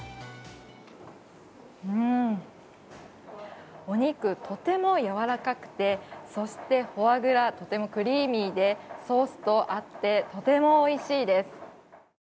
うん、お肉、とても柔らかくてそしてフォアグラとてもクリーミーでソースと合って、とてもおいしいです。